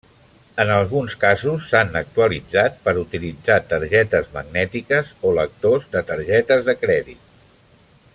En alguns casos, s'han actualitzat per utilitzar targetes magnètiques o lectors de targetes de crèdit.